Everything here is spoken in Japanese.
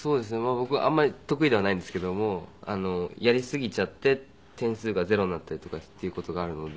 僕あんまり得意ではないんですけどもやりすぎちゃって点数がゼロになったりとかっていう事があるので。